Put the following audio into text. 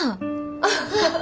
アハハハハ。